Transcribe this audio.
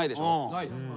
・ないです。